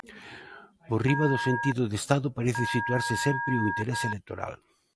Por riba do sentido de Estado parece situarse sempre o interese electoral.